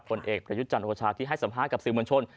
ผลเอกประยุทธ์จันทร์โอชาที่ให้สัมภาษณ์กับสื่อมวลชน